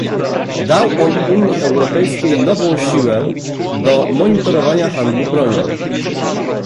Dał on Unii Europejskiej nową siłę do monitorowaniu handlu bronią